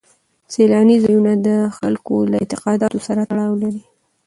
سیلاني ځایونه د خلکو له اعتقاداتو سره تړاو لري.